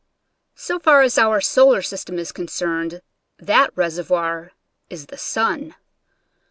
So far as our solar system is concerned, that reservoir is the sun.